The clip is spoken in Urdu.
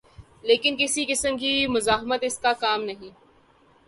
لیکن کسی قسم کی مزاحمت اس کا کام نہیں۔